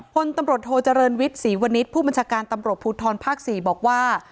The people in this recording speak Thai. พลตำรวจโทเจริญวิทย์ศรีวณิชย์ผู้บัญชาการตำรวจภูทรภาค๔บอกว่า